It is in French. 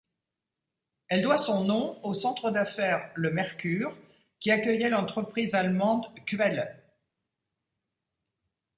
Elle doit son nom au centre d'affaires Le Mercure qui accueillait l'entreprise allemande Quelle.